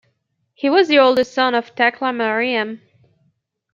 He was the older son of Takla Maryam.